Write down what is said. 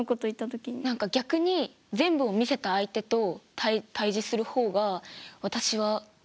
何か逆に全部を見せた相手と対じする方が私は疲れる。